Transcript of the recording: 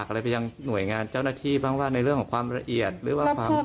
เสร็จหวัดซึ่งไม่เคยโดนเลย